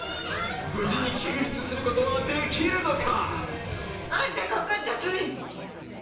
無事に救出することはできるのか。